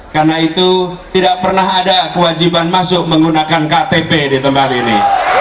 karena itu tidak pernah ada kewajiban masuk menggunakan ktp di tempat ini